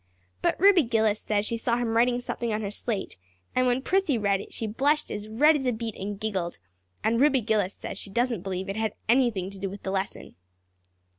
But Ruby Gillis says she saw him writing something on her slate and when Prissy read it she blushed as red as a beet and giggled; and Ruby Gillis says she doesn't believe it had anything to do with the lesson."